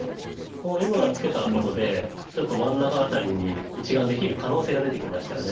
ここ今ツケたことでちょっと真ん中辺りに１眼できる可能性が出てきましたよね。